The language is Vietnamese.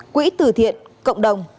quỹ từ thiện cộng đồng